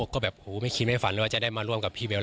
ก็แบบหูไม่คิดไม่ฝันเลยว่าจะได้มาร่วมกับพี่เบล